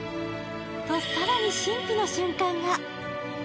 と、更に神秘の瞬間が。